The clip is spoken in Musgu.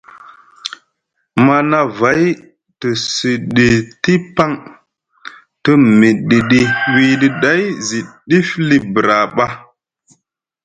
Manavay te siɗiti paŋ te miɗiɗi wiɗi ɗay zi ɗifli bra ɓa.